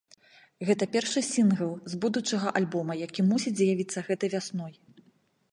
Гэта першы сінгл з будучага альбома, які мусіць з'явіцца гэтай вясной.